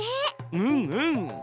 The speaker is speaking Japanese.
うんうん！